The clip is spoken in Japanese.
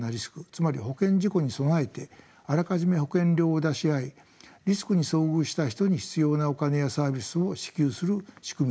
つまり保険事故に備えてあらかじめ保険料を出し合いリスクに遭遇した人に必要なお金やサービスを支給する仕組みです。